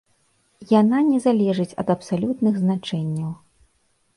Яна не залежыць ад абсалютных значэнняў.